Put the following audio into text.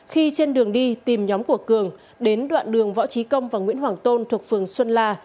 khi trên đường đi tìm nhóm của cường đến đoạn đường võ trí công và nguyễn hoàng tôn thuộc phường xuân la